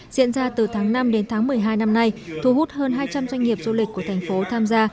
diễn ra từ tháng năm đến tháng một mươi hai năm nay thu hút hơn hai trăm linh doanh nghiệp du lịch của thành phố tham gia